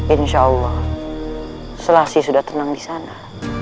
insya allah selasi sudah tenang di sana